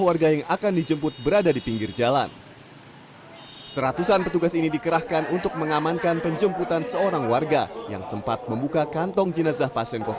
lalu juga sempat mencium jenazah